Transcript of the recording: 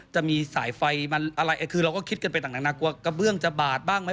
จะมีสายไฟมันอะไรคือเราก็คิดกันไปต่างนากลัวกระเบื้องจะบาดบ้างไหม